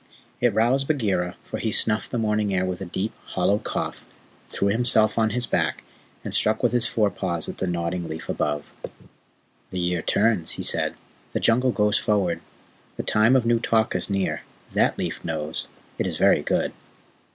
It roused Bagheera, for he snuffed the morning air with a deep, hollow cough, threw himself on his back, and struck with his fore paws at the nodding leaf above. "The year turns," he said. "The Jungle goes forward. The Time of New Talk is near. That leaf knows. It is very good."